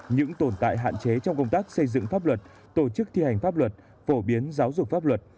những tồn tại hạn chế trong công tác xây dựng pháp luật tổ chức thi hành pháp luật phổ biến giáo dục pháp luật